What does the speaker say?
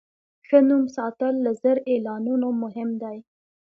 ښه نوم ساتل له زر اعلانونو مهم دی.